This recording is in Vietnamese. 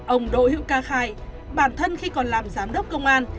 ông đỗ hữu ca khai bản thân khi còn làm giám đốc công an